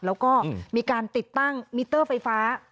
แล้วก็มีการติดตั้งมิเตอร์ไฟฟ้า